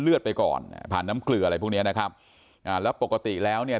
เลือดไปก่อนผ่านน้ำเกลืออะไรพรุ่งนี้นะครับแล้วปกติแล้วเนี่ย